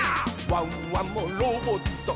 「ワンワンもロボット」